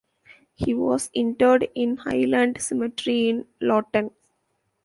He was interred in Highland Cemetery in Lawton.